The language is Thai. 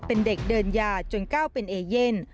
เป็นเด็กเดินยาจนก้าวเป็นเอเย่น